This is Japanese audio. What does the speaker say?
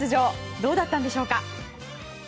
どうだったんでしょうか。